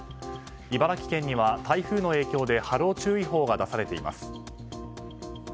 茨城県には台風の影響で波浪注意報が出されています。